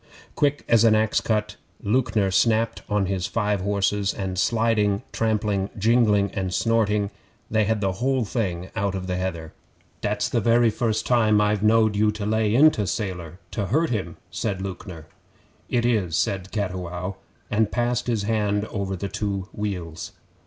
Quick as an axe cut, Lewknor snapped on his five horses, and sliding, trampling, jingling, and snorting, they had the whole thing out on the heather. 'Dat's the very first time I've knowed you lay into Sailor to hurt him,' said Lewknor. 'It is,' said Cattiwow, and passed his hand over the two wheals.